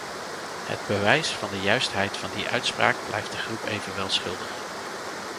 Het bewijs van de juistheid van die uitspraak blijft de groep evenwel schuldig.